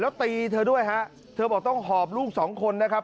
แล้วตีเธอด้วยฮะเธอบอกต้องหอบลูกสองคนนะครับ